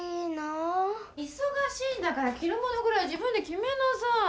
いそがしいんだからきるものぐらい自分できめなさい。